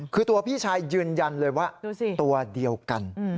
คือตัวพี่ชายยืนยันเลยว่าตัวเดียวกัน